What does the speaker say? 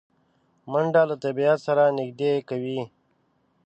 منډه له طبیعت سره نږدې کوي